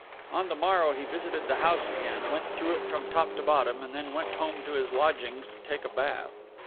On the morrow he visited the house again, went through it from top to bottom, and then went home to his lodgings to take a bath.